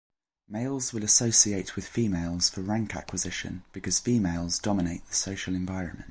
Males will associate with females for rank acquisition because females dominate the social environment.